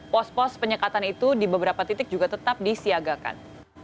pos pos penyekatan itu di beberapa titik juga tetap disiagakan